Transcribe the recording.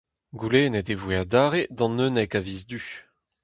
Goulennet e voe adarre d'an unnek a viz Du.